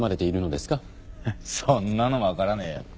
そんなの分からねえよ。